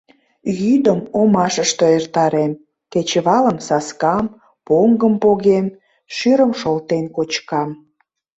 Йӱдым омашыште эртарем, кечывалым саскам, поҥгым погем, шӱрым шолтен кочкам.